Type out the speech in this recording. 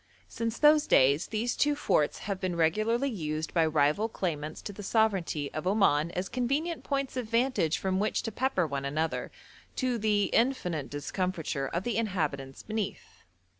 Since those days these two forts have been regularly used by rival claimants to the sovereignty of Oman as convenient points of vantage from which to pepper one another, to the infinite discomfiture of the inhabitants beneath.